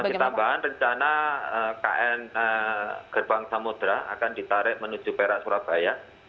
bagi tambahan rencana kn gerbang samudera akan ditarik menuju perak surabaya